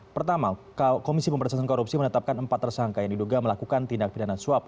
pertama komisi pemberantasan korupsi menetapkan empat tersangka yang diduga melakukan tindak pidana suap